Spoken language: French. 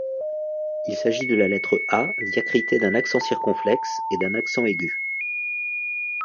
Il s’agit de la lettre A diacritée d’un accent circonflexe et d’un accent aigu.